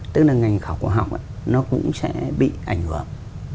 tức là ngành khảo cổ học nó cũng sẽ bị ảnh hưởng